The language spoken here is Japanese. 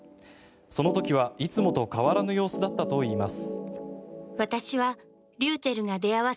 その時はいつもと変わらぬ様子だったといいます。